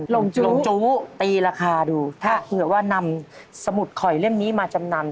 ลงจูลงจู้ตีราคาดูถ้าเผื่อว่านำสมุดข่อยเล่มนี้มาจำนำ